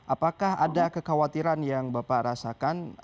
apakah ada kekhawatiran yang bapak rasakan